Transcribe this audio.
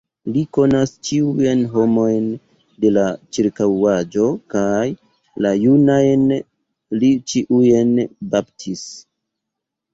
Li konas ĉiujn homojn de la ĉirkaŭaĵo kaj la junajn li ĉiujn baptis.